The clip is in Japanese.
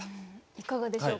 いかがでしょう？